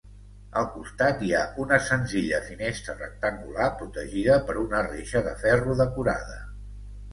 Al costat hi ha una senzilla finestra rectangular protegida per una reixa de ferro decorada.